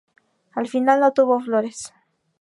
Al final, no tuvo flores.